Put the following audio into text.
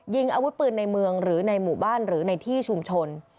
ยิงอาวุธปืนในเมืองหรือในหมู่บ้านหรือในที่ชุมชน